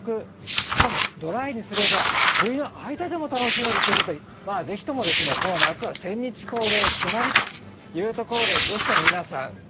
しかもドライにすれば冬の間でも楽しめるということでまあ是非ともですねこの夏はセンニチコウで決まりというところで是非とも皆さん